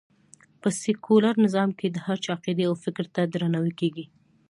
په سکیولر نظام کې د هر چا عقېدې او فکر ته درناوی کېږي